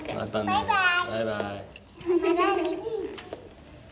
バイバイ！